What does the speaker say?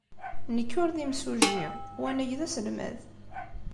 Nekk ur d imsujji, wanag d aselmad.